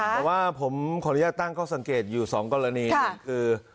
แต่ว่าผมของรัฐตั้งก็สังเกตอยู่สองกรณีคือ